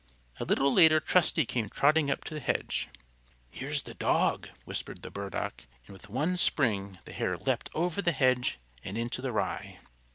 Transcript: A little later Trusty came trotting up to the hedge. "Here's the dog," whispered the Burdock, and with one spring the Hare leapt over the hedge and into the Rye.